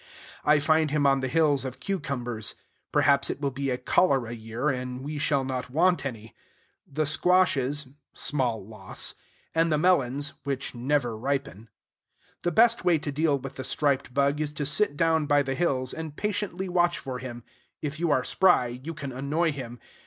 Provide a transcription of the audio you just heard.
I find him on the hills of cucumbers (perhaps it will be a cholera year, and we shall not want any), the squashes (small loss), and the melons (which never ripen). The best way to deal with the striped bug is to sit down by the hills, and patiently watch for him. If you are spry, you can annoy him.